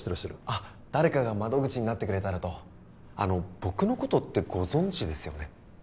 あ誰かが窓口になってくれたらとあの僕のことってご存じですよね？